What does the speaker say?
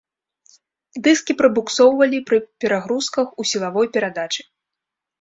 Дыскі прабуксоўвалі пры перагрузках ў сілавой перадачы.